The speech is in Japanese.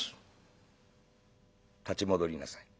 「立ち戻りなさい。